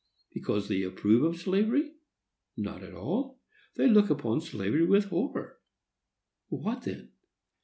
Because they approve of slavery? Not at all. They look upon slavery with horror. What then?